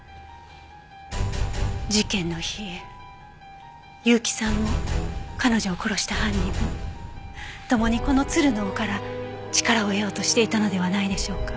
事件の日結城さんも彼女を殺した犯人もともにこの鶴の尾から力を得ようとしていたのではないでしょうか。